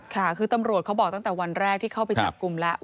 ค่ะคือตำรวจเขาบอกตั้งแต่วันแรกที่เข้าไปจับกลุ่มแล้ว